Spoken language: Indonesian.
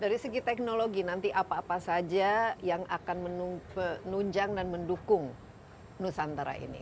dari segi teknologi nanti apa apa saja yang akan menunjang dan mendukung nusantara ini